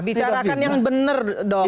bicarakan yang bener dong